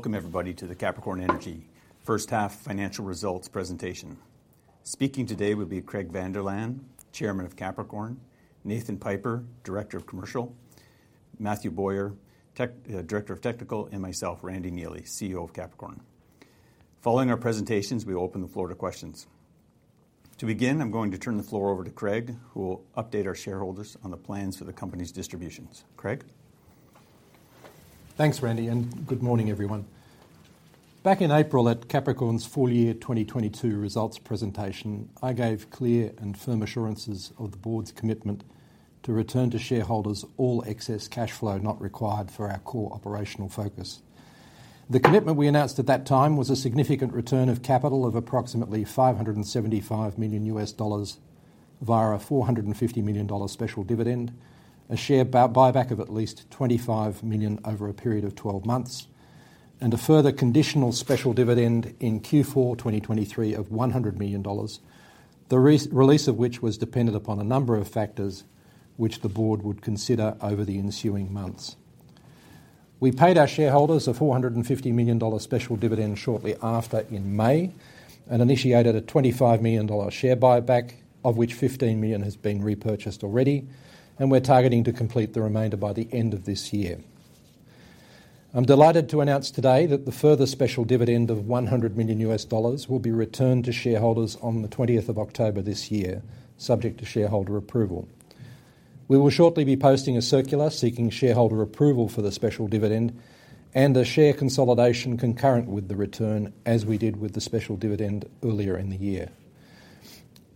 Welcome, everybody, to the Capricorn Energy first half financial results presentation. Speaking today will be Craig van der Laan, Chairman of Capricorn, Nathan Piper, Director of Commercial, Matthew Bowyer, Technical Director, and myself, Randy Neely, CEO of Capricorn. Following our presentations, we will open the floor to questions. To begin, I'm going to turn the floor over to Craig, who will update our shareholders on the plans for the company's distributions. Craig? Thanks, Randy, and good morning, everyone. Back in April, at Capricorn's full year 2022 results presentation, I gave clear and firm assurances of the board's commitment to return to shareholders all excess cash flow not required for our core operational focus. The commitment we announced at that time was a significant return of capital of approximately $575 million via a $450 million special dividend, a share buyback of at least $25 million over a period of 12 months, and a further conditional special dividend in Q4 2023 of $100 million, the release of which was dependent upon a number of factors which the board would consider over the ensuing months. We paid our shareholders a $450 million special dividend shortly after in May and initiated a $25 million share buyback, of which $15 million has been repurchased already, and we're targeting to complete the remainder by the end of this year. I'm delighted to announce today that the further special dividend of $100 million will be returned to shareholders on the 20th of October this year, subject to shareholder approval. We will shortly be posting a circular seeking shareholder approval for the special dividend and a share consolidation concurrent with the return, as we did with the special dividend earlier in the year.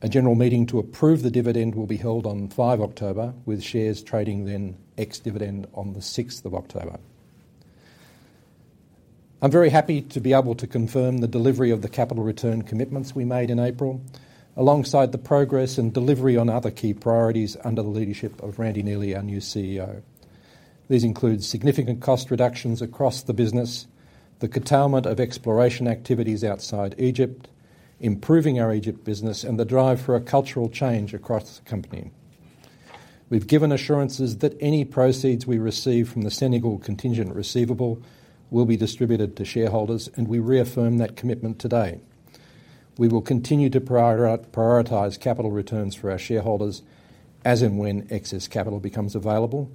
A general meeting to approve the dividend will be held on 5 October, with shares trading then ex-dividend on the 6th of October. I'm very happy to be able to confirm the delivery of the capital return commitments we made in April, alongside the progress and delivery on other key priorities under the leadership of Randy Neely, our new CEO. These include significant cost reductions across the business, the curtailment of exploration activities outside Egypt, improving our Egypt business, and the drive for a cultural change across the company. We've given assurances that any proceeds we receive from the Senegal contingent receivable will be distributed to shareholders, and we reaffirm that commitment today. We will continue to prioritize capital returns for our shareholders as and when excess capital becomes available,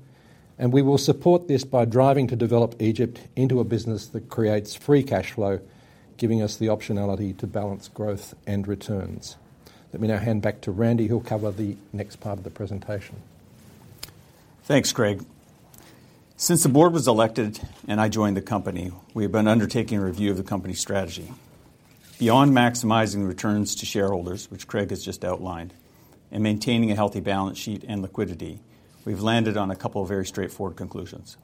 and we will support this by driving to develop Egypt into a business that creates free cash flow, giving us the optionality to balance growth and returns. Let me now hand back to Randy, who'll cover the next part of the presentation. Thanks, Craig. Since the board was elected and I joined the company, we have been undertaking a review of the company's strategy. Beyond maximizing returns to shareholders, which Craig has just outlined, and maintaining a healthy balance sheet and liquidity, we've landed on a couple of very straightforward conclusions.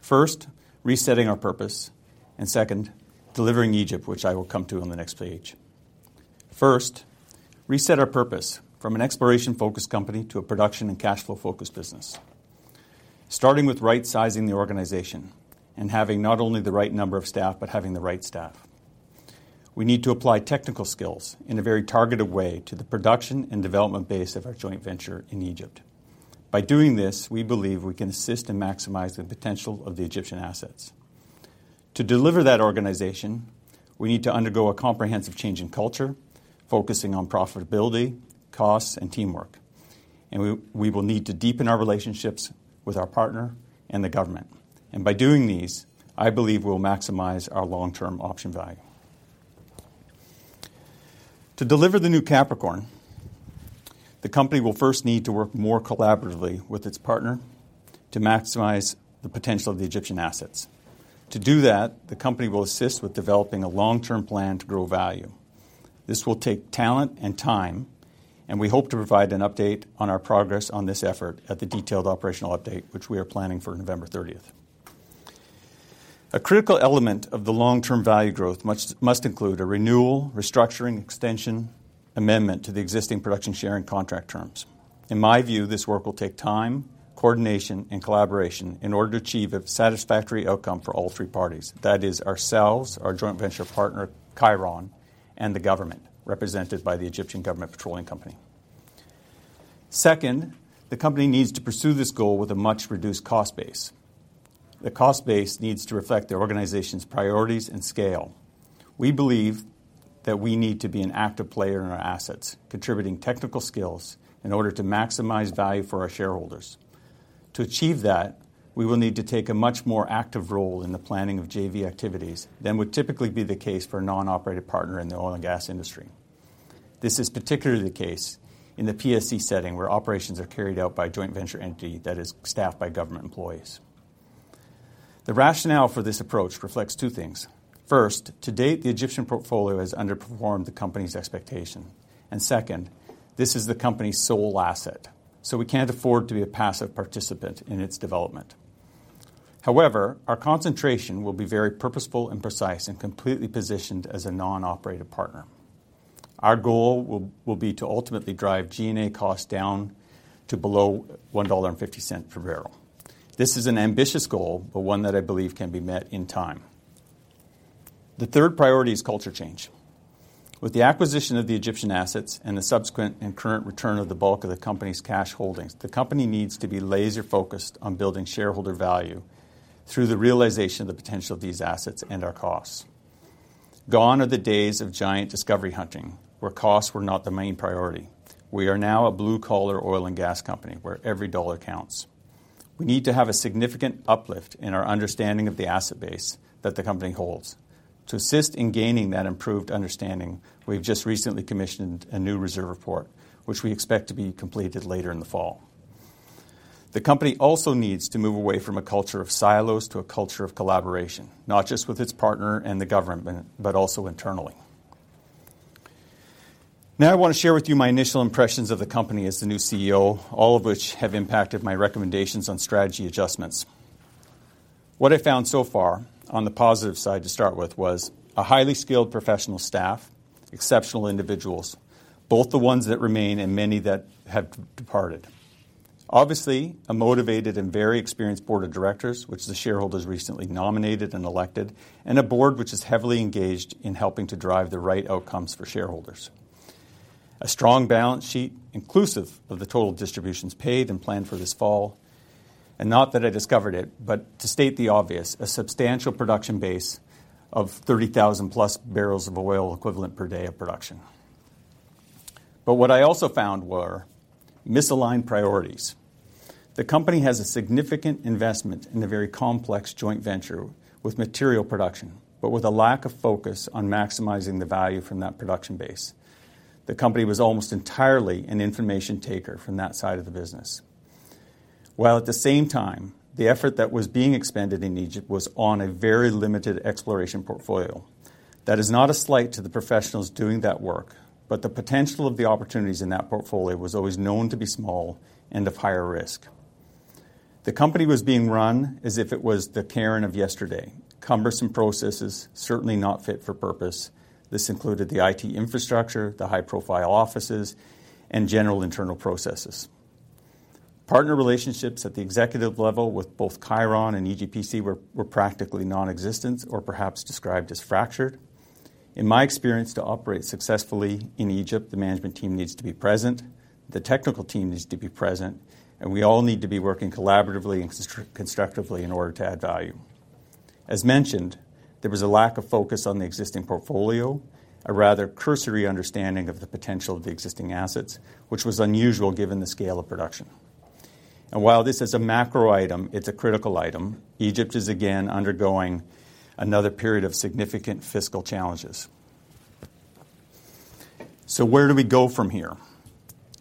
First, resetting our purpose, and second, delivering Egypt, which I will come to on the next page. First, reset our purpose from an exploration-focused company to a production and cash flow-focused business, starting with right-sizing the organization and having not only the right number of staff, but having the right staff. We need to apply technical skills in a very targeted way to the production and development base of our joint venture in Egypt. By doing this, we believe we can assist and maximize the potential of the Egyptian assets. To deliver that organization, we need to undergo a comprehensive change in culture, focusing on profitability, costs, and teamwork. And we, we will need to deepen our relationships with our partner and the government. And by doing these, I believe we'll maximize our long-term option value. To deliver the new Capricorn, the company will first need to work more collaboratively with its partner to maximize the potential of the Egyptian assets. To do that, the company will assist with developing a long-term plan to grow value. This will take talent and time, and we hope to provide an update on our progress on this effort at the detailed operational update, which we are planning for November thirtieth. A critical element of the long-term value growth must, must include a renewal, restructuring, extension, amendment to the existing production sharing contract terms. In my view, this work will take time, coordination, and collaboration in order to achieve a satisfactory outcome for all three parties. That is, ourselves, our joint venture partner, Cheiron, and the government, represented by the Egyptian General Petroleum Corporation. Second, the company needs to pursue this goal with a much-reduced cost base. The cost base needs to reflect the organization's priorities and scale. We believe that we need to be an active player in our assets, contributing technical skills in order to maximize value for our shareholders. To achieve that, we will need to take a much more active role in the planning of JV activities than would typically be the case for a non-operated partner in the oil and gas industry. This is particularly the case in the PSC setting, where operations are carried out by a joint venture entity that is staffed by government employees. The rationale for this approach reflects two things: First, to date, the Egyptian portfolio has underperformed the company's expectation, and second, this is the company's sole asset, so we can't afford to be a passive participant in its development. However, our concentration will be very purposeful and precise and completely positioned as a non-operated partner. Our goal will be to ultimately drive G&A costs down to below $1.50 per barrel. This is an ambitious goal, but one that I believe can be met in time. The third priority is culture change. With the acquisition of the Egyptian assets and the subsequent and current return of the bulk of the company's cash holdings, the company needs to be laser-focused on building shareholder value through the realization of the potential of these assets and our costs. Gone are the days of giant discovery hunting, where costs were not the main priority. We are now a blue-collar oil and gas company, where every dollar counts. We need to have a significant uplift in our understanding of the asset base that the company holds. To assist in gaining that improved understanding, we've just recently commissioned a new reserve report, which we expect to be completed later in the fall. The company also needs to move away from a culture of silos to a culture of collaboration, not just with its partner and the government, but also internally. Now, I want to share with you my initial impressions of the company as the new CEO, all of which have impacted my recommendations on strategy adjustments. What I found so far, on the positive side to start with, was a highly skilled professional staff, exceptional individuals, both the ones that remain and many that have departed. Obviously, a motivated and very experienced board of directors, which the shareholders recently nominated and elected, and a board which is heavily engaged in helping to drive the right outcomes for shareholders. A strong balance sheet, inclusive of the total distributions paid and planned for this fall. Not that I discovered it, but to state the obvious, a substantial production base of 30,000+ barrels of oil equivalent per day of production. But what I also found were misaligned priorities. The company has a significant investment in a very complex joint venture with material production, but with a lack of focus on maximizing the value from that production base. The company was almost entirely an information taker from that side of the business, while at the same time, the effort that was being expended in Egypt was on a very limited exploration portfolio. That is not a slight to the professionals doing that work, but the potential of the opportunities in that portfolio was always known to be small and of higher risk. The company was being run as if it was the Cheiron of yesterday. Cumbersome processes, certainly not fit for purpose. This included the IT infrastructure, the high-profile offices, and general internal processes. Partner relationships at the executive level with both Cheiron and EGPC were practically nonexistent or perhaps described as fractured. In my experience, to operate successfully in Egypt, the management team needs to be present, the technical team needs to be present, and we all need to be working collaboratively and constructively in order to add value. As mentioned, there was a lack of focus on the existing portfolio, a rather cursory understanding of the potential of the existing assets, which was unusual given the scale of production. While this is a macro item, it's a critical item. Egypt is again undergoing another period of significant fiscal challenges. Where do we go from here?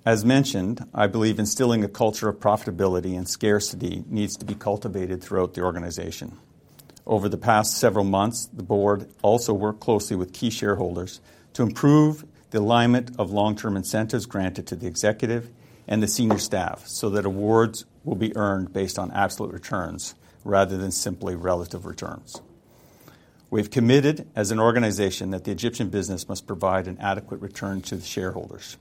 As mentioned, I believe instilling a culture of profitability and scarcity needs to be cultivated throughout the organization. Over the past several months, the board also worked closely with key shareholders to improve the alignment of long-term incentives granted to the executive and the senior staff, so that awards will be earned based on absolute returns rather than simply relative returns. We've committed as an organization that the Egyptian business must provide an adequate return to the shareholders.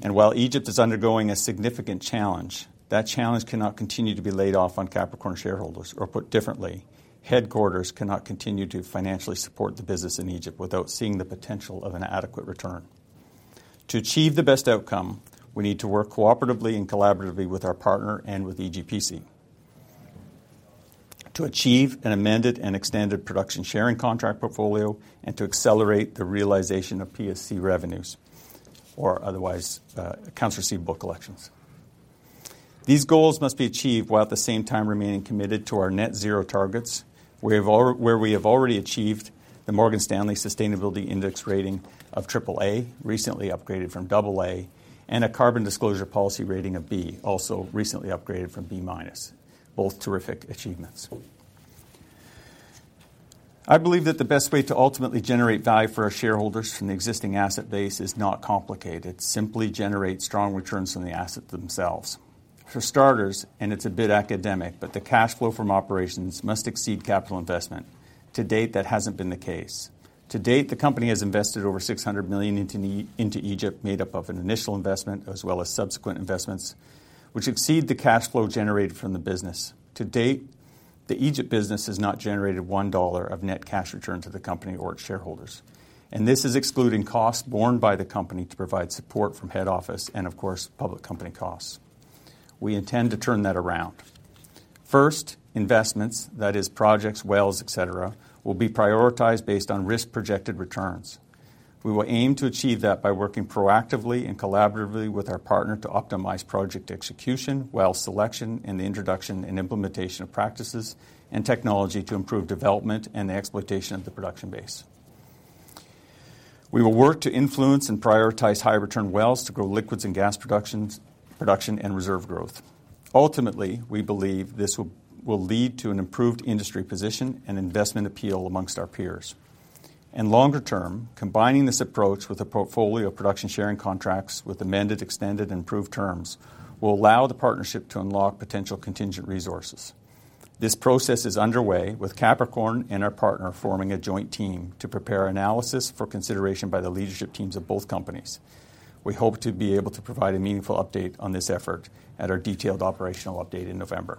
And while Egypt is undergoing a significant challenge, that challenge cannot continue to be laid off on Capricorn shareholders, or put differently, headquarters cannot continue to financially support the business in Egypt without seeing the potential of an adequate return. To achieve the best outcome, we need to work cooperatively and collaboratively with our partner and with EGPC. To achieve an amended and extended production sharing contract portfolio, and to accelerate the realization of PSC revenues or otherwise, accounts receivable collections. These goals must be achieved while at the same time remaining committed to our net zero targets, where we have already achieved the Morgan Stanley Sustainability Index rating of Triple A, recently upgraded from Double A, and a carbon disclosure policy rating of B, also recently upgraded from B-. Both terrific achievements. I believe that the best way to ultimately generate value for our shareholders from the existing asset base is not complicated. Simply generate strong returns from the assets themselves. For starters, and it's a bit academic, but the cash flow from operations must exceed capital investment. To date, that hasn't been the case. To date, the company has invested over $600 million into Egypt, made up of an initial investment, as well as subsequent investments, which exceed the cash flow generated from the business. To date, the Egypt business has not generated $1 of net cash return to the company or its shareholders, and this is excluding costs borne by the company to provide support from head office and, of course, public company costs. We intend to turn that around. First, investments, that is, projects, wells, et cetera, will be prioritized based on risk-projected returns. We will aim to achieve that by working proactively and collaboratively with our partner to optimize project execution, well selection, and the introduction and implementation of practices and technology to improve development and the exploitation of the production base. We will work to influence and prioritize high-return wells to grow liquids and gas productions, production, and reserve growth. Ultimately, we believe this will lead to an improved industry position and investment appeal among our peers. Longer term, combining this approach with a portfolio of production sharing contracts with amended, extended, and improved terms, will allow the partnership to unlock potential contingent resources. This process is underway, with Capricorn and our partner forming a joint team to prepare analysis for consideration by the leadership teams of both companies. We hope to be able to provide a meaningful update on this effort at our detailed operational update in November.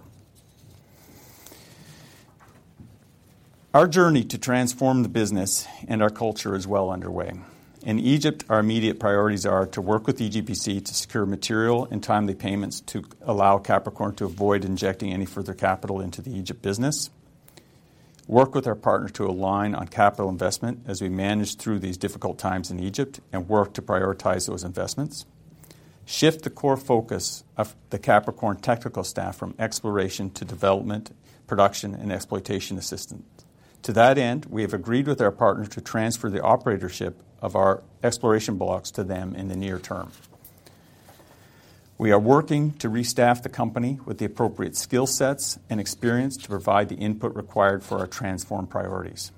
Our journey to transform the business and our culture is well underway. In Egypt, our immediate priorities are to work with EGPC to secure material and timely payments to allow Capricorn to avoid injecting any further capital into the Egypt business, work with our partners to align on capital investment as we manage through these difficult times in Egypt, and work to prioritize those investments. Shift the core focus of the Capricorn technical staff from exploration to development, production, and exploitation assistance. To that end, we have agreed with our partners to transfer the operatorship of our exploration blocks to them in the near term. We are working to restaff the company with the appropriate skill sets and experience to provide the input required for our transformed priorities,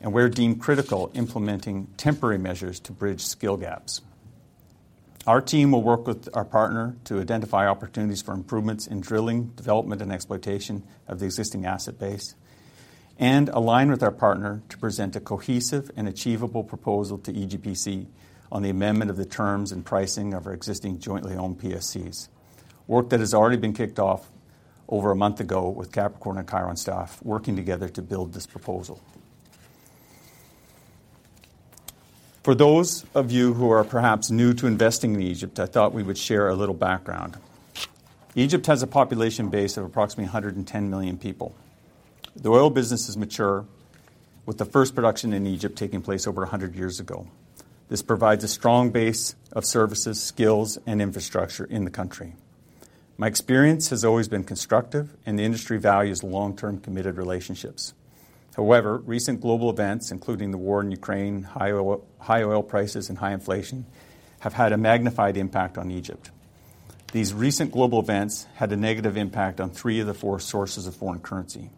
and where deemed critical, implementing temporary measures to bridge skill gaps. Our team will work with our partner to identify opportunities for improvements in drilling, development, and exploitation of the existing asset base, and align with our partner to present a cohesive and achievable proposal to EGPC on the amendment of the terms and pricing of our existing jointly owned PSCs, work that has already been kicked off over a month ago, with Capricorn and Cairo staff working together to build this proposal. For those of you who are perhaps new to investing in Egypt, I thought we would share a little background. Egypt has a population base of approximately 110 million people. The oil business is mature, with the first production in Egypt taking place over 100 years ago. This provides a strong base of services, skills, and infrastructure in the country. My experience has always been constructive, and the industry values long-term, committed relationships. However, recent global events, including the war in Ukraine, high oil, high oil prices and high inflation, have had a magnified impact on Egypt. These recent global events had a negative impact on three of the four sources of foreign currency.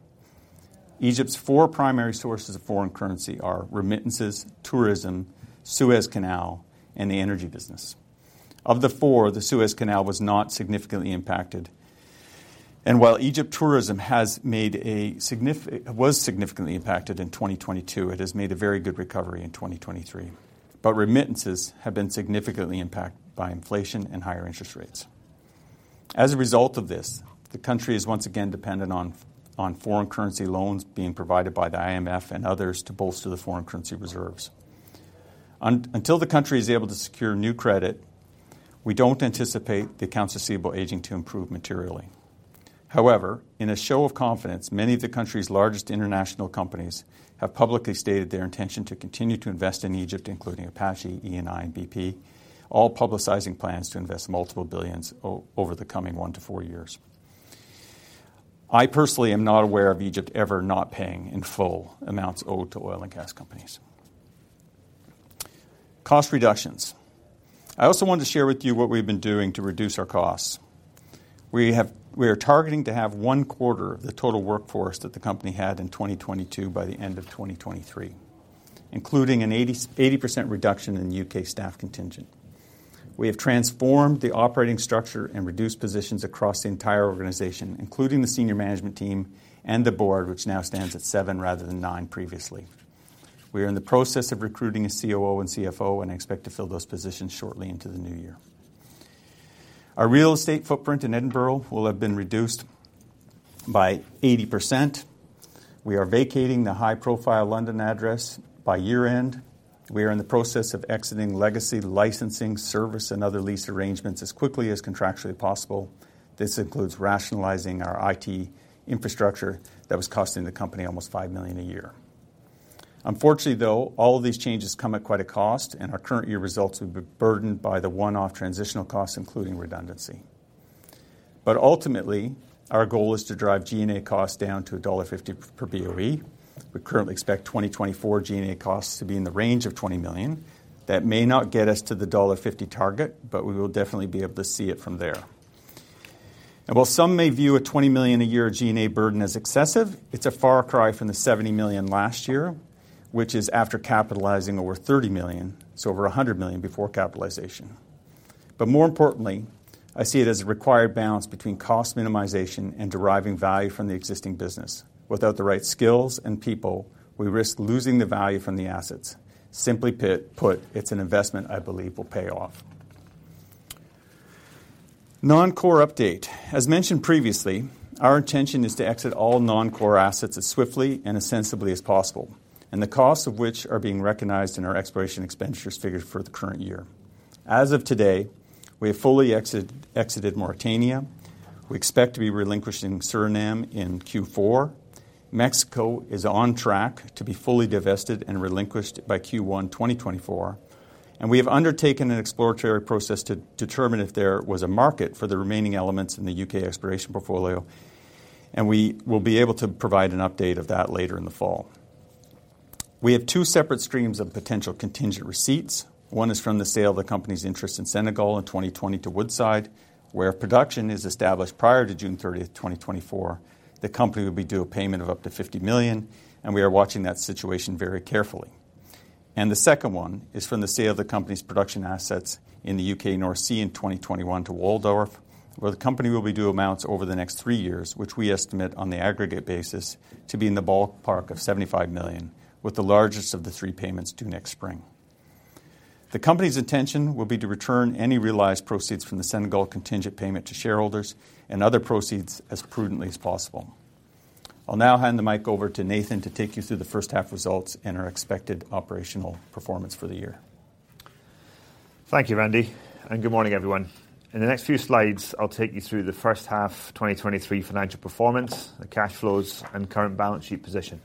Egypt's four primary sources of foreign currency are remittances, tourism, Suez Canal, and the energy business. Of the four, the Suez Canal was not significantly impacted, and while Egypt tourism was significantly impacted in 2022, it has made a very good recovery in 2023. But remittances have been significantly impacted by inflation and higher interest rates. As a result of this, the country is once again dependent on foreign currency loans being provided by the IMF and others to bolster the foreign currency reserves. Until the country is able to secure new credit, we don't anticipate the accounts receivable aging to improve materially. However, in a show of confidence, many of the country's largest international companies have publicly stated their intention to continue to invest in Egypt, including Apache, Eni, and BP, all publicizing plans to invest $ multiple billions over the coming 1-4 years. I personally am not aware of Egypt ever not paying in full amounts owed to oil and gas companies. Cost reductions. I also wanted to share with you what we've been doing to reduce our costs. We are targeting to have one quarter of the total workforce that the company had in 2022 by the end of 2023, including an 80% reduction in the U.K. staff contingent. We have transformed the operating structure and reduced positions across the entire organization, including the senior management team and the board, which now stands at 7 rather than 9 previously. We are in the process of recruiting a COO and CFO, and expect to fill those positions shortly into the new year. Our real estate footprint in Edinburgh will have been reduced by 80%. We are vacating the high-profile London address by year-end. We are in the process of exiting legacy licensing, service, and other lease arrangements as quickly as contractually possible. This includes rationalizing our IT infrastructure that was costing the company almost $5 million a year. Unfortunately, though, all of these changes come at quite a cost, and our current year results will be burdened by the one-off transitional costs, including redundancy. But ultimately, our goal is to drive G&A costs down to $1.50 per BOE. We currently expect 2024 G&A costs to be in the range of $20 million. That may not get us to the $1.50 target, but we will definitely be able to see it from there. And while some may view a $20 million a year G&A burden as excessive, it's a far cry from the $70 million last year, which is after capitalizing over $30 million, so over $100 million before capitalization. But more importantly, I see it as a required balance between cost minimization and deriving value from the existing business. Without the right skills and people, we risk losing the value from the assets. Simply put, it's an investment I believe will pay off. Non-core update. As mentioned previously, our intention is to exit all non-core assets as swiftly and as sensibly as possible, and the costs of which are being recognized in our exploration expenditures figures for the current year. As of today, we have fully exited Mauritania. We expect to be relinquishing Suriname in Q4. Mexico is on track to be fully divested and relinquished by Q1 2024, and we have undertaken an exploratory process to determine if there was a market for the remaining elements in the U.K. exploration portfolio, and we will be able to provide an update of that later in the fall. We have two separate streams of potential contingent receipts. One is from the sale of the company's interest in Senegal in 2020 to Woodside, where production is established prior to June 30, 2024. The company will be due a payment of up to $50 million, and we are watching that situation very carefully. The second one is from the sale of the company's production assets in the U.K. North Sea in 2021 to Waldorf, where the company will be due amounts over the next three years, which we estimate on the aggregate basis to be in the ballpark of $75 million, with the largest of the three payments due next spring. The company's intention will be to return any realized proceeds from the Senegal contingent payment to shareholders and other proceeds as prudently as possible. I'll now hand the mic over to Nathan to take you through the first half results and our expected operational performance for the year. Thank you, Randy, and good morning, everyone. In the next few slides, I'll take you through the first half 2023 financial performance, the cash flows and current balance sheet position,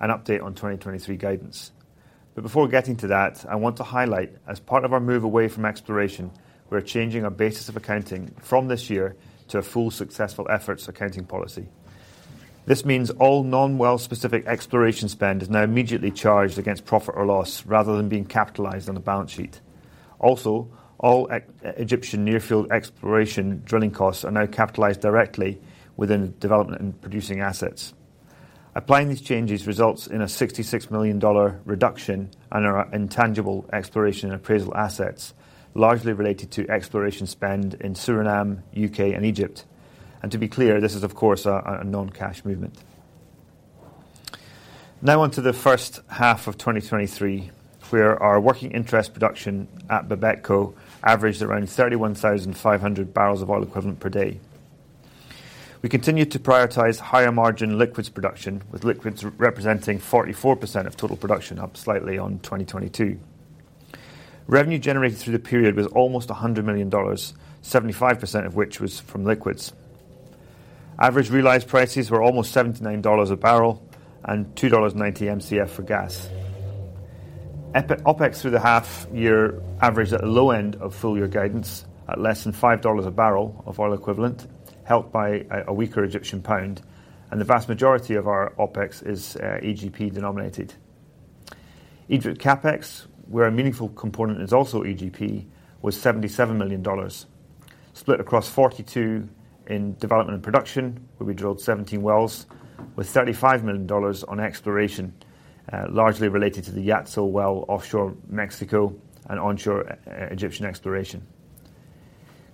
an update on 2023 guidance. But before getting to that, I want to highlight, as part of our move away from exploration, we're changing our basis of accounting from this year to a full successful efforts accounting policy. This means all non-well-specific exploration spend is now immediately charged against profit or loss, rather than being capitalized on the balance sheet. Also, all Egyptian near field exploration drilling costs are now capitalized directly within development and producing assets. Applying these changes results in a $66 million reduction on our intangible exploration and appraisal assets, largely related to exploration spend in Suriname, U.K., and Egypt. And to be clear, this is, of course, a non-cash movement. Now on to the first half of 2023, where our working interest production at Bapetco averaged around 31,500 barrels of oil equivalent per day. We continued to prioritize higher margin liquids production, with liquids representing 44% of total production, up slightly on 2022. Revenue generated through the period was almost $100 million, 75% of which was from liquids. Average realized prices were almost $79 a barrel and $2.90 Mcf for gas. OpEx through the half year averaged at the low end of full year guidance at less than $5 a barrel of oil equivalent, helped by a weaker Egyptian pound, and the vast majority of our OpEx is EGP denominated. Egypt CapEx, where a meaningful component is also EGP, was $77 million, split across $42 million in development and production, where we drilled 17 wells, with $35 million on exploration, largely related to the Yatzil well offshore Mexico and onshore Egyptian exploration.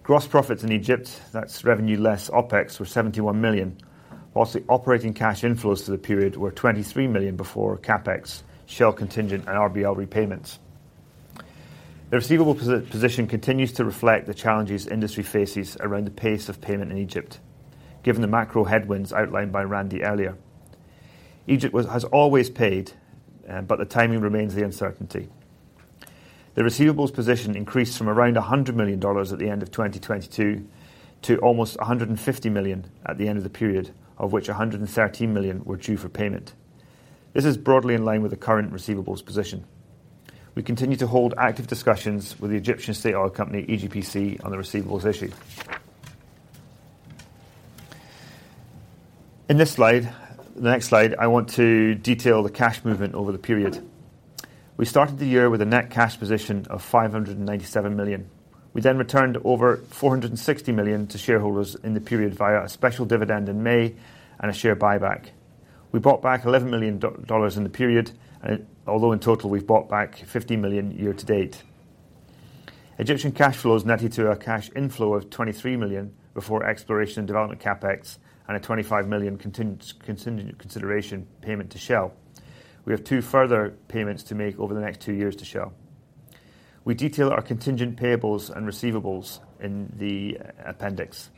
Gross profits in Egypt, that's revenue less OpEx, were $71 million, while the operating cash inflows to the period were $23 million before CapEx, Shell contingent and RBL repayments. The receivables position continues to reflect the challenges industry faces around the pace of payment in Egypt, given the macro headwinds outlined by Randy earlier. Egypt has always paid, but the timing remains the uncertainty. The receivables position increased from around $100 million at the end of 2022 to almost $150 million at the end of the period, of which $113 million were due for payment. This is broadly in line with the current receivables position. We continue to hold active discussions with the Egyptian General Petroleum Corporation, EGPC, on the receivables issue. In this slide, the next slide, I want to detail the cash movement over the period. We started the year with a net cash position of $597 million. We then returned over $460 million to shareholders in the period via a special dividend in May and a share buyback. We bought back $11 million dollars in the period, and although in total, we've bought back $50 million year to date. Egyptian cash flows netted to a cash inflow of $23 million before exploration and development CapEx and a $25 million contingent, contingent consideration payment to Shell. We have two further payments to make over the next two years to Shell. We detail our contingent payables and receivables in the appendix.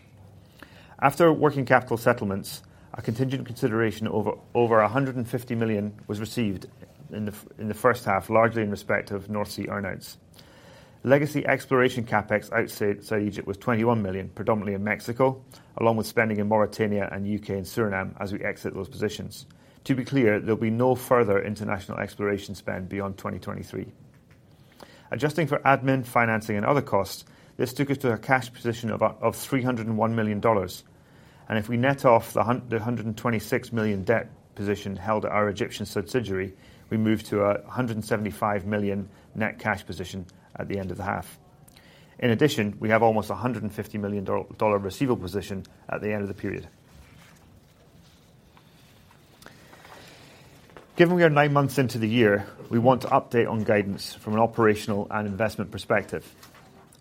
After working capital settlements, our contingent consideration over $150 million was received in the first half, largely in respect of North Sea earn-outs. Legacy exploration CapEx outside Egypt was $21 million, predominantly in Mexico, along with spending in Mauritania and U.K. and Suriname, as we exit those positions. To be clear, there'll be no further international exploration spend beyond 2023. Adjusting for admin, financing, and other costs, this took us to a cash position of $301 million. If we net off the $126 million debt position held at our Egyptian subsidiary, we move to a $175 million net cash position at the end of the half. In addition, we have almost $150 million receivable position at the end of the period. Given we are nine months into the year, we want to update on guidance from an operational and investment perspective.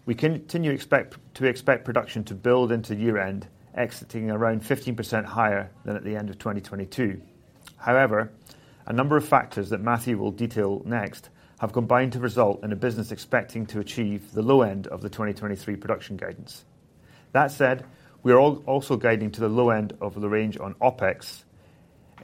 We continue to expect production to build into year-end, exiting around 15% higher than at the end of 2022. However, a number of factors that Matthew will detail next have combined to result in a business expecting to achieve the low end of the 2023 production guidance. That said, we are also guiding to the low end of the range on OpEx,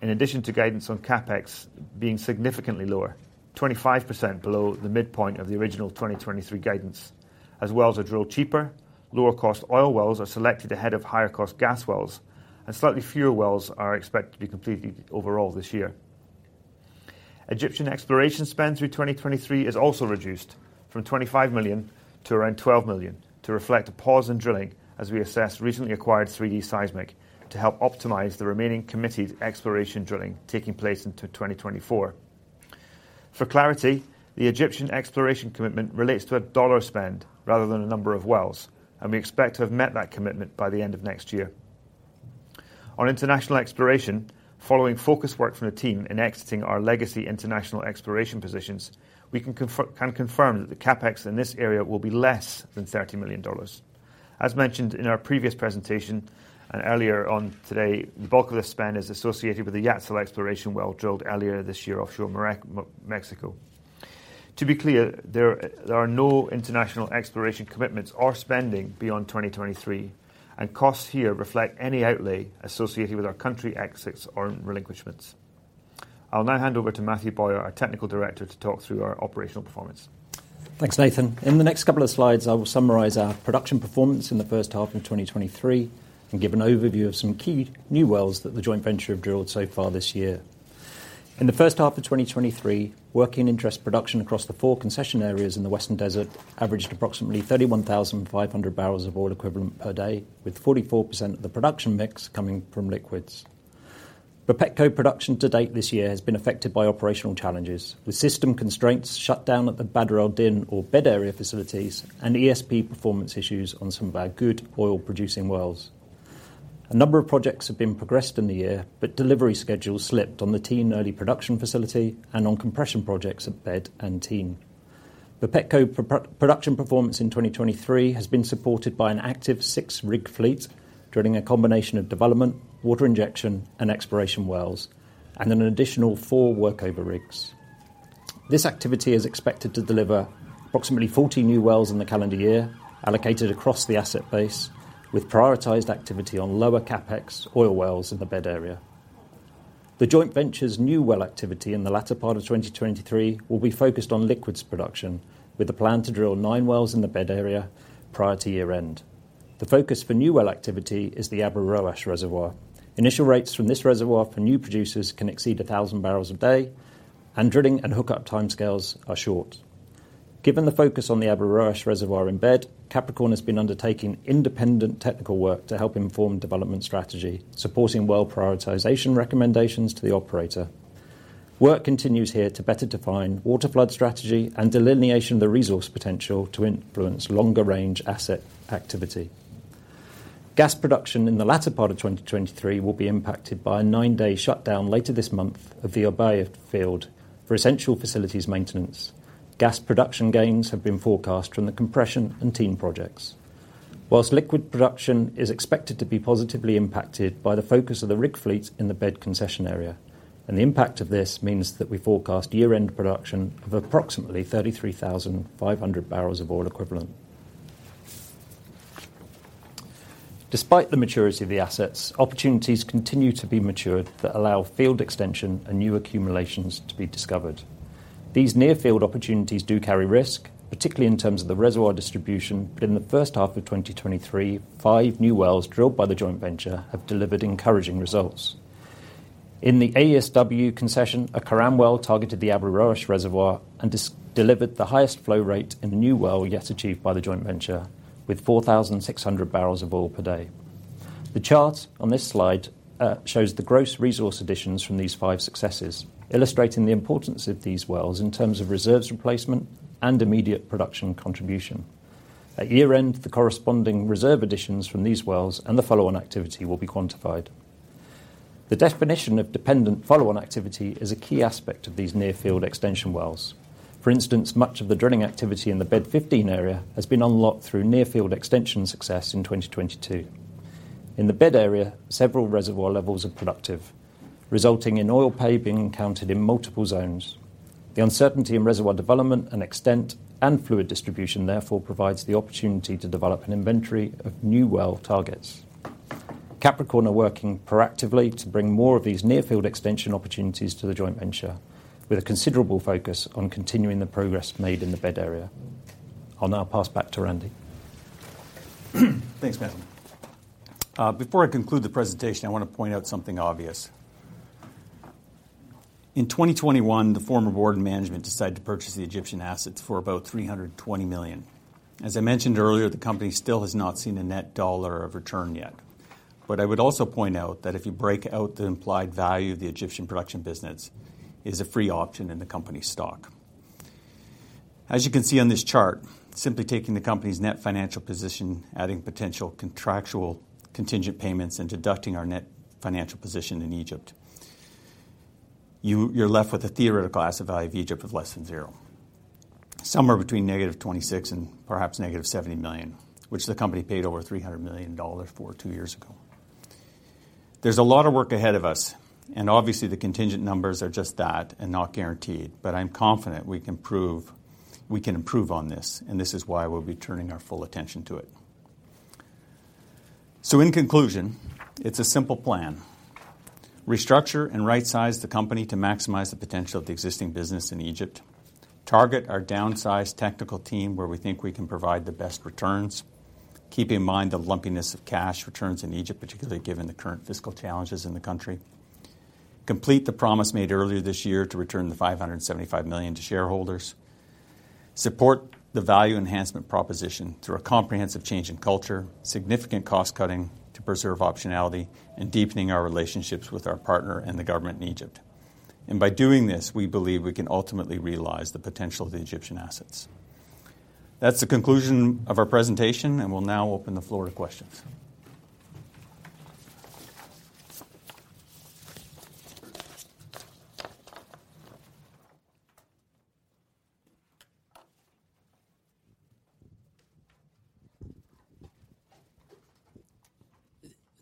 in addition to guidance on CapEx being significantly lower, 25% below the midpoint of the original 2023 guidance. As wells are drilled cheaper, lower-cost oil wells are selected ahead of higher-cost gas wells, and slightly fewer wells are expected to be completed overall this year. Egyptian exploration spend through 2023 is also reduced from $25 million to around $12 million, to reflect a pause in drilling as we assess recently acquired 3D seismic to help optimize the remaining committed exploration drilling taking place into 2024. For clarity, the Egyptian exploration commitment relates to a dollar spend rather than a number of wells, and we expect to have met that commitment by the end of next year. On international exploration, following focused work from the team in exiting our legacy international exploration positions, we can confirm that the CapEx in this area will be less than $30 million. As mentioned in our previous presentation and earlier on today, the bulk of the spend is associated with the Yatzil exploration well drilled earlier this year offshore Mexico.... To be clear, there are no international exploration commitments or spending beyond 2023, and costs here reflect any outlay associated with our country exits or relinquishments. I'll now hand over to Matthew Bowyer, our Technical Director, to talk through our operational performance. Thanks, Nathan. In the next couple of slides, I will summarize our production performance in the first half of 2023 and give an overview of some key new wells that the joint venture have drilled so far this year. In the first half of 2023, working interest production across the four concession areas in the Western Desert averaged approximately 31,500 barrels of oil equivalent per day, with 44% of the production mix coming from liquids. But Bapetco production to date this year has been affected by operational challenges, with system constraints shut down at the Badr El Din or BED area facilities and ESP performance issues on some of our good oil-producing wells. A number of projects have been progressed in the year, but delivery schedules slipped on the NEAG early production facility and on compression projects at BED and NEAG. The Bapetco production performance in 2023 has been supported by an active 6-rig fleet, drilling a combination of development, water injection, and exploration wells, and an additional 4 workover rigs. This activity is expected to deliver approximately 40 new wells in the calendar year, allocated across the asset base, with prioritized activity on lower CapEx oil wells in the BED area. The joint venture's new well activity in the latter part of 2023 will be focused on liquids production, with a plan to drill 9 wells in the BED area prior to year-end. The focus for new well activity is the Abu Roash Reservoir. Initial rates from this reservoir for new producers can exceed 1,000 barrels a day, and drilling and hookup timescales are short. Given the focus on the Abu Roash Reservoir in BED, Capricorn has been undertaking independent technical work to help inform development strategy, supporting well prioritization recommendations to the operator. Work continues here to better define waterflood strategy and delineation of the resource potential to influence longer-range asset activity. Gas production in the latter part of 2023 will be impacted by a 9-day shutdown later this month of the Obaiyed field for essential facilities maintenance. Gas production gains have been forecast from the compression and TEAN projects. While liquid production is expected to be positively impacted by the focus of the rig fleets in the BED concession area, and the impact of this means that we forecast year-end production of approximately 33,500 barrels of oil equivalent. Despite the maturity of the assets, opportunities continue to be matured that allow field extension and new accumulations to be discovered. These near-field opportunities do carry risk, particularly in terms of the reservoir distribution. But in the first half of 2023, 5 new wells drilled by the joint venture have delivered encouraging results. In the AESW concession, a Karam well targeted the Abu Roash Reservoir and delivered the highest flow rate in a new well yet achieved by the joint venture, with 4,600 barrels of oil per day. The chart on this slide shows the gross resource additions from these five successes, illustrating the importance of these wells in terms of reserves replacement and immediate production contribution. At year-end, the corresponding reserve additions from these wells and the follow-on activity will be quantified. The definition of dependent follow-on activity is a key aspect of these near-field extension wells. For instance, much of the drilling activity in the BED-15 area has been unlocked through near-field extension success in 2022. In the BED area, several reservoir levels are productive, resulting in oil pay being encountered in multiple zones. The uncertainty in reservoir development and extent and fluid distribution therefore provides the opportunity to develop an inventory of new well targets. Capricorn are working proactively to bring more of these near-field extension opportunities to the joint venture, with a considerable focus on continuing the progress made in the BED area. I'll now pass back to Randy. Thanks, Matthew. Before I conclude the presentation, I want to point out something obvious. In 2021, the former board and management decided to purchase the Egyptian assets for about $320 million. As I mentioned earlier, the company still has not seen a net dollar of return yet. But I would also point out that if you break out the implied value of the Egyptian production business, it is a free option in the company's stock. As you can see on this chart, simply taking the company's net financial position, adding potential contractual contingent payments, and deducting our net financial position in Egypt, you're left with a theoretical asset value of Egypt of less than zero. Somewhere between -$26 million and perhaps -$70 million, which the company paid over $300 million for two years ago. There's a lot of work ahead of us, and obviously, the contingent numbers are just that and not guaranteed. But I'm confident we can prove we can improve on this, and this is why we'll be turning our full attention to it. So in conclusion, it's a simple plan: restructure and right-size the company to maximize the potential of the existing business in Egypt. Target our downsized technical team, where we think we can provide the best returns. Keep in mind the lumpiness of cash returns in Egypt, particularly given the current fiscal challenges in the country. Complete the promise made earlier this year to return the $575 million to shareholders. Support the value enhancement proposition through a comprehensive change in culture, significant cost-cutting to preserve optionality, and deepening our relationships with our partner and the government in Egypt. By doing this, we believe we can ultimately realize the potential of the Egyptian assets. That's the conclusion of our presentation, and we'll now open the floor to questions.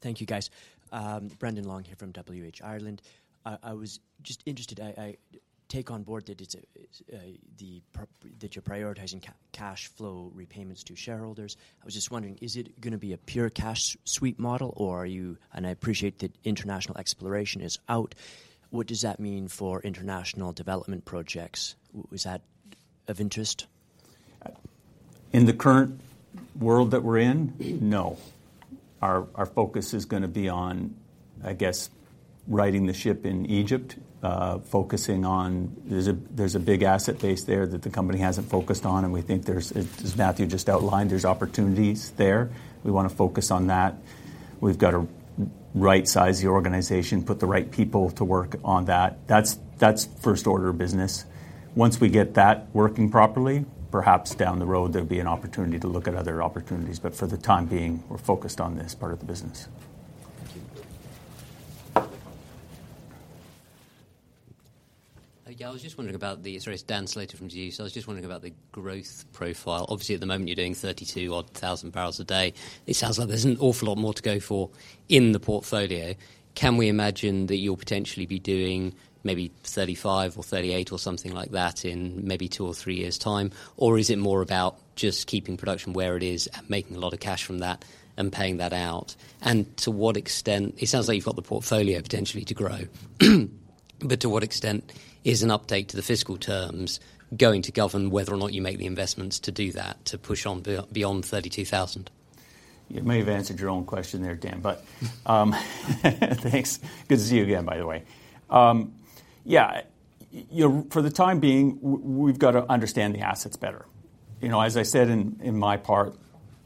...Thank you, guys. Brendan Long here from WH Ireland. I was just interested. I take on board that you're prioritizing cash flow repayments to shareholders. I was just wondering, is it gonna be a pure cash sweep model, or are you... And I appreciate that international exploration is out. What does that mean for international development projects? Is that of interest? In the current world that we're in? No. Our focus is gonna be on, I guess, righting the ship in Egypt, focusing on... There's a big asset base there that the company hasn't focused on, and we think there's a-- as Matthew just outlined, there's opportunities there. We wanna focus on that. We've got to right-size the organization, put the right people to work on that. That's first order of business. Once we get that working properly, perhaps down the road, there'll be an opportunity to look at other opportunities, but for the time being, we're focused on this part of the business. Thank you. Yeah, I was just wondering about the... Sorry, it's Dan Slater from Zeus. I was just wondering about the growth profile. Obviously, at the moment, you're doing 32,000-odd barrels a day. It sounds like there's an awful lot more to go for in the portfolio. Can we imagine that you'll potentially be doing maybe 35 or 38 or something like that in maybe 2 or 3 years' time? Or is it more about just keeping production where it is and making a lot of cash from that and paying that out? And to what extent... It sounds like you've got the portfolio potentially to grow, but to what extent is an update to the fiscal terms going to govern whether or not you make the investments to do that, to push on beyond 32,000? You may have answered your own question there, Dan, but, thanks. Good to see you again, by the way. Yeah, you know, for the time being, we've got to understand the assets better. You know, as I said in my part,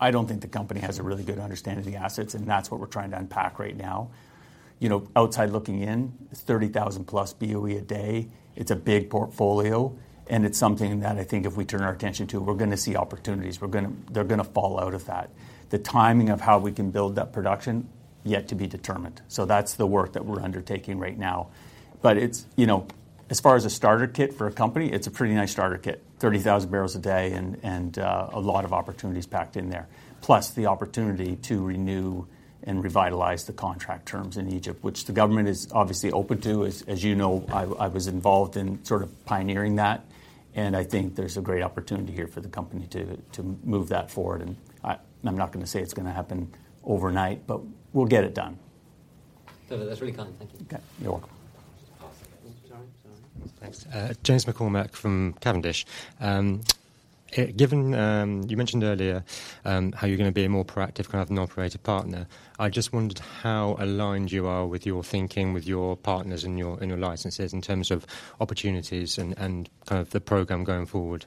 I don't think the company has a really good understanding of the assets, and that's what we're trying to unpack right now. You know, outside looking in, it's 30,000+ BOE a day. It's a big portfolio, and it's something that I think if we turn our attention to, we're gonna see opportunities. They're gonna fall out of that. The timing of how we can build that production, yet to be determined, so that's the work that we're undertaking right now. But it's... You know, as far as a starter kit for a company, it's a pretty nice starter kit, 30,000 barrels a day and a lot of opportunities packed in there. Plus the opportunity to renew and revitalize the contract terms in Egypt, which the government is obviously open to. As you know, I was involved in sort of pioneering that, and I think there's a great opportunity here for the company to move that forward. And I, I'm not gonna say it's gonna happen overnight, but we'll get it done. That's really kind. Thank you. Okay. You're welcome. Sorry. Sorry. Thanks. James McCormack from Cavendish. You mentioned earlier how you're gonna be a more proactive kind of an operator partner. I just wondered how aligned you are with your thinking, with your partners and your, and your licenses in terms of opportunities and, and kind of the program going forward?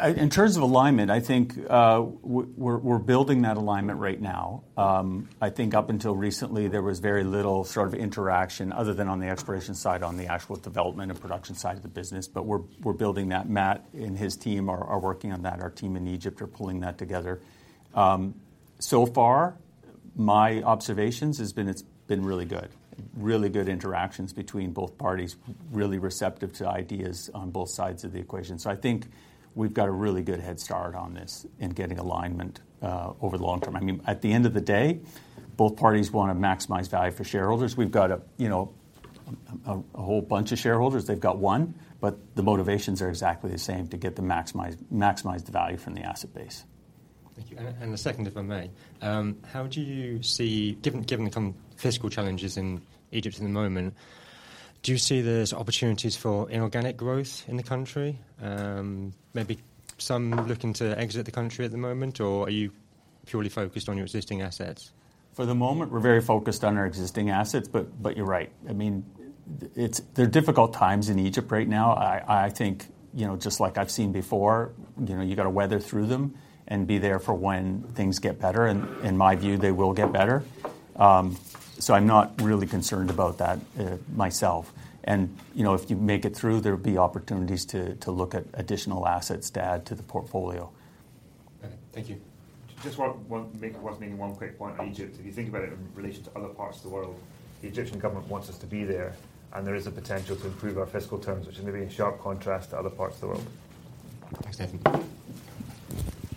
In terms of alignment, I think we're building that alignment right now. I think up until recently, there was very little sort of interaction, other than on the exploration side, on the actual development and production side of the business, but we're building that. Matt and his team are working on that. Our team in Egypt are pulling that together. So far, my observations has been, it's been really good. Really good interactions between both parties, really receptive to ideas on both sides of the equation. So I think we've got a really good head start on this in getting alignment over the long term. I mean, at the end of the day, both parties wanna maximize value for shareholders. We've got a, you know, a whole bunch of shareholders. They've got one, but the motivations are exactly the same, to get the maximize the value from the asset base. Thank you. And the second, if I may, how do you see... Given the kind of fiscal challenges in Egypt at the moment, do you see there's opportunities for inorganic growth in the country? Maybe some looking to exit the country at the moment, or are you purely focused on your existing assets? For the moment, we're very focused on our existing assets, but you're right. I mean, they're difficult times in Egypt right now. I think, you know, just like I've seen before, you know, you gotta weather through them and be there for when things get better, and in my view, they will get better. So I'm not really concerned about that, myself. And, you know, if you make it through, there'll be opportunities to look at additional assets to add to the portfolio. Okay. Thank you. Just one... Maybe one quick point on Egypt. If you think about it in relation to other parts of the world, the Egyptian government wants us to be there, and there is a potential to improve our fiscal terms, which may be in sharp contrast to other parts of the world. Thanks, Nathan.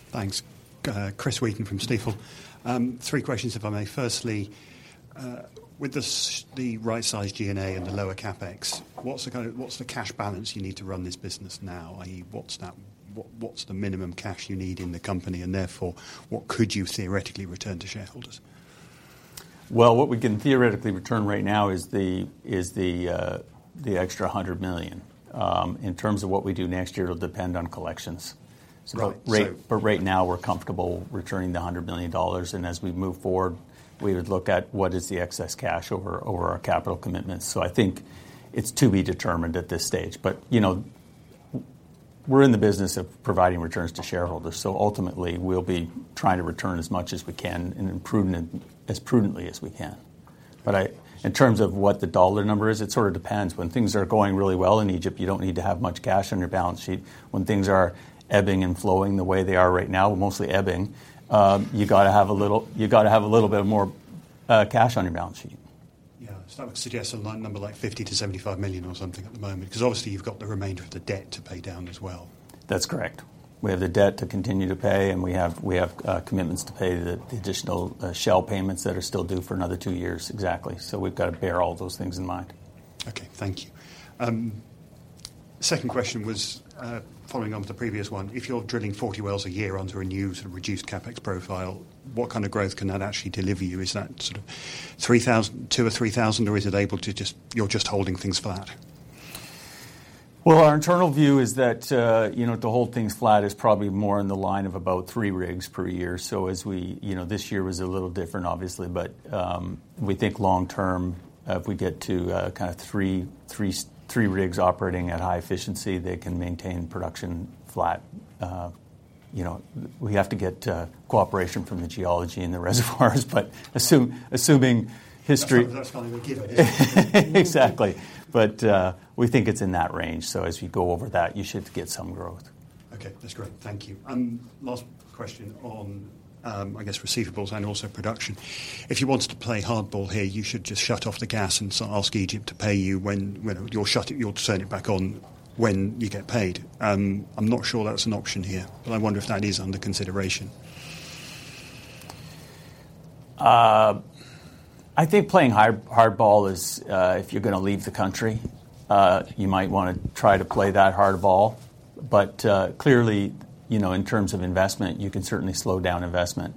Thanks. Chris Wheaton from Stifel. Three questions, if I may. Firstly, with the right-size G&A and the lower CapEx, what's the cash balance you need to run this business now? I.e., what's that... what's the minimum cash you need in the company, and therefore, what could you theoretically return to shareholders? Well, what we can theoretically return right now is the extra $100 million. In terms of what we do next year, it'll depend on collections. Right, so- But right now, we're comfortable returning $100 million, and as we move forward, we would look at what is the excess cash over our capital commitments. So I think it's to be determined at this stage. But, you know, we're in the business of providing returns to shareholders, so ultimately, we'll be trying to return as much as we can and improve it as prudently as we can. But I... In terms of what the dollar number is, it sort of depends. When things are going really well in Egypt, you don't need to have much cash on your balance sheet. When things are ebbing and flowing the way they are right now, mostly ebbing, you gotta have a little bit more cash on your balance sheet.... So that would suggest a line number like $50 million-$75 million or something at the moment, 'cause obviously you've got the remainder of the debt to pay down as well. That's correct. We have the debt to continue to pay, and we have commitments to pay the additional Shell payments that are still due for another 2 years. Exactly. So we've got to bear all those things in mind. Okay, thank you. Second question was, following on with the previous one. If you're drilling 40 wells a year onto a new sort of reduced CapEx profile, what kind of growth can that actually deliver you? Is that sort of 3,000, 2,000 or 3,000, or is it able to just... You're just holding things flat? Well, our internal view is that, you know, to hold things flat is probably more in the line of about 3 rigs per year. So as we, you know, this year was a little different, obviously, but we think long term, if we get to, kind of 3, 3, 3 rigs operating at high efficiency, they can maintain production flat. You know, we have to get cooperation from the geology and the reservoirs, but assuming history- That's probably a given. Exactly. But, we think it's in that range. So as you go over that, you should get some growth. Okay, that's great. Thank you. Last question on, I guess, receivables and also production. If you wanted to play hardball here, you should just shut off the gas and ask Egypt to pay you when, when... You'll shut it, you'll turn it back on when you get paid. I'm not sure that's an option here, but I wonder if that is under consideration. I think playing hardball is, if you're gonna leave the country, you might wanna try to play that hardball. But, clearly, you know, in terms of investment, you can certainly slow down investment.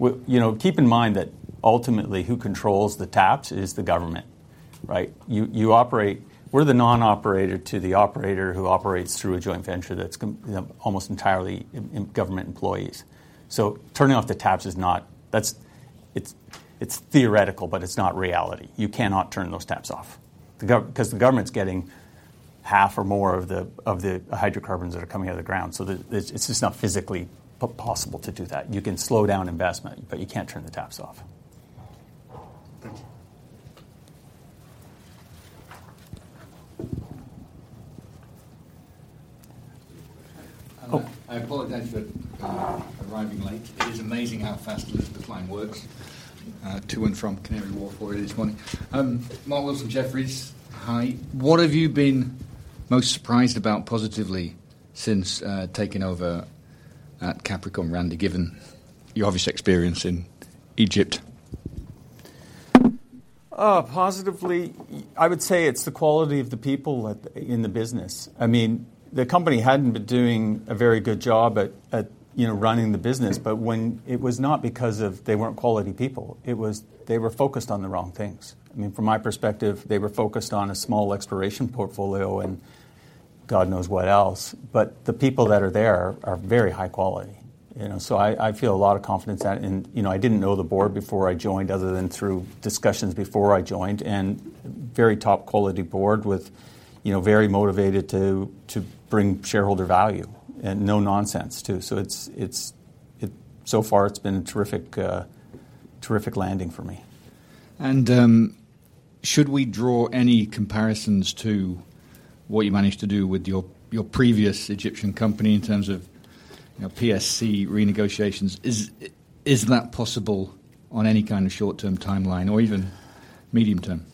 You know, keep in mind that ultimately who controls the taps is the government, right? You, you operate—we're the non-operator to the operator who operates through a joint venture that's almost entirely government employees. So turning off the taps is not... it's, it's theoretical, but it's not reality. You cannot turn those taps off. 'Cause the government's getting half or more of the, of the hydrocarbons that are coming out of the ground, so the, it's, it's just not physically possible to do that. You can slow down investment, but you can't turn the taps off. Thank you. I apologize for arriving late. It is amazing how fast the decline works to and from Canary Wharf early this morning. Mark Wilson, Jefferies. Hi. What have you been most surprised about positively since taking over at Capricorn, Randy, given your obvious experience in Egypt? Positively, I would say it's the quality of the people at the... in the business. I mean, the company hadn't been doing a very good job at, you know, running the business, but when... It was not because of they weren't quality people. It was, they were focused on the wrong things. I mean, from my perspective, they were focused on a small exploration portfolio and God knows what else. But the people that are there are very high quality, you know. So I feel a lot of confidence in... You know, I didn't know the board before I joined, other than through discussions before I joined, and very top-quality board with, you know, very motivated to bring shareholder value and no nonsense, too. So it's so far, it's been terrific, terrific landing for me. Should we draw any comparisons to what you managed to do with your previous Egyptian company in terms of, you know, PSC renegotiations? Is that possible on any kind of short-term timeline or even medium-term?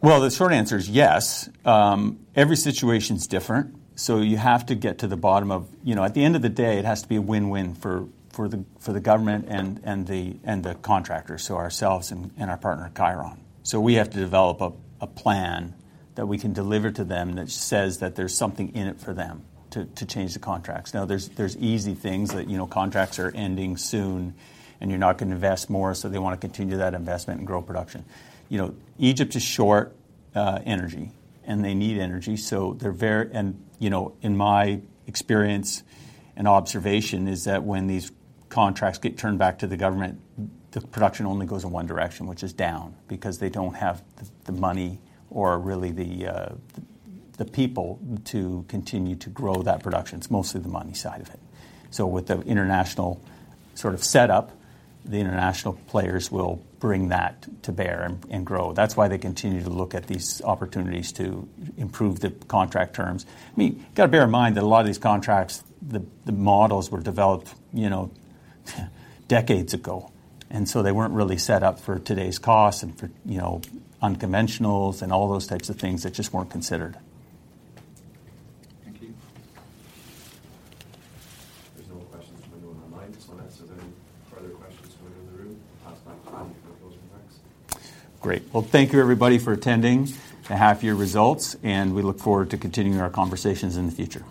Well, the short answer is yes. Every situation's different, so you have to get to the bottom of... You know, at the end of the day, it has to be a win-win for the government and the contractors, so ourselves and our partner, Cheiron. So we have to develop a plan that we can deliver to them that says that there's something in it for them to change the contracts. Now, there's easy things that, you know, contracts are ending soon, and you're not gonna invest more, so they want to continue that investment and grow production. You know, Egypt is short energy, and they need energy, so they're and, you know, in my experience and observation, is that when these contracts get turned back to the government, the production only goes in one direction, which is down, because they don't have the money or really the people to continue to grow that production. It's mostly the money side of it. So with the international sort of setup, the international players will bring that to bear and grow. That's why they continue to look at these opportunities to improve the contract terms. I mean, you gotta bear in mind that a lot of these contracts, the models were developed, you know, decades ago, and so they weren't really set up for today's costs and for, you know, unconventionals and all those types of things that just weren't considered. Thank you. There's no more questions online, so unless there's any further questions from the room, perhaps it's time for closing remarks. Great. Well, thank you, everybody, for attending the half-year results, and we look forward to continuing our conversations in the future.